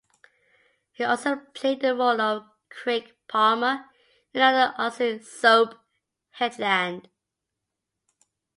He also played the role of Craig Palmer in another Aussie soap, headLand.